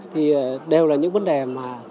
thì đều là những vấn đề mà